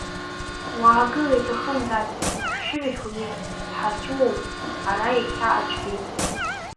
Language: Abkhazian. Уаагыл, иаҭахым, дад, ашәшьырахь унеи, дҳарҵәыуом ара иахьа аӡәгьы!